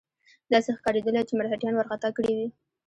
داسې ښکارېدله چې مرهټیان وارخطا کړي وي.